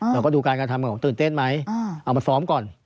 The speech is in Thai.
เราก็ดูการกระทำของตื่นเต้นไหมเอามาซ้อมก่อน